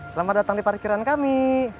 selamat datang di parkiran kami